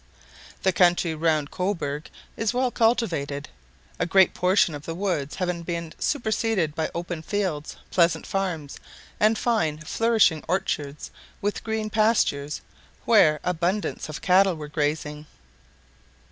The country round Cobourg is well cultivated, a great portion of the woods having been superseded by open fields, pleasant farms, and fine flourishing orchards, with green pastures, where abundance of cattle were grazing.